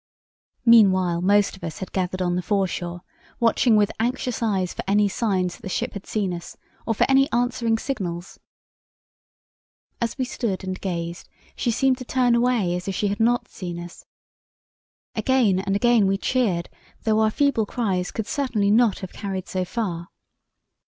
"Meanwhile most of us had gathered on the foreshore watching with anxious eyes for any signs that the ship had seen us, or for any answering signals. As we stood and gazed she seemed to turn away as if she had not seen us. Again and again we cheered, though our feeble cries could certainly not have carried so far.